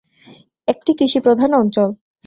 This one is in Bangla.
একটি কৃষিপ্রধান অঞ্চল।